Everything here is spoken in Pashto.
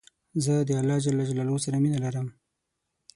زه د الله ج سره مينه لرم